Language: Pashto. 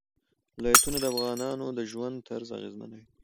ولایتونه د افغانانو د ژوند طرز اغېزمنوي.